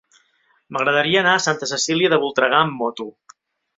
M'agradaria anar a Santa Cecília de Voltregà amb moto.